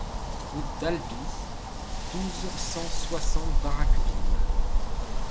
Route d'Albi, douze, cent soixante Baraqueville